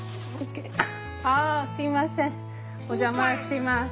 ああすいませんお邪魔します。